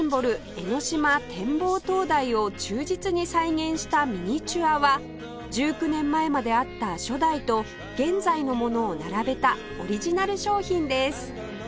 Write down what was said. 江の島展望灯台を忠実に再現したミニチュアは１９年前まであった初代と現在のものを並べたオリジナル商品です